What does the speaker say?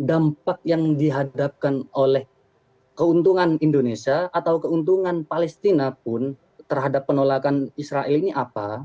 dampak yang dihadapkan oleh keuntungan indonesia atau keuntungan palestina pun terhadap penolakan israel ini apa